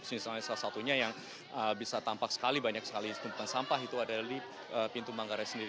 misalnya salah satunya yang bisa tampak sekali banyak sekali tumpukan sampah itu adalah di pintu manggarai sendiri